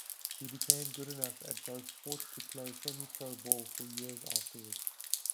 He became good enough at both sports to play semipro ball for years afterward.